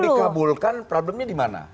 kalaupun dikabulkan problemnya dimana